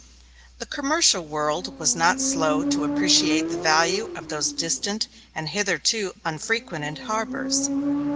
The commercial world was not slow to appreciate the value of those distant and hitherto unfrequented harbors.